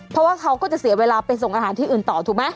เพราะว่าเขาก็จะเสียเวลาไปส่งอาหารที่อื่นต่อถูกไหม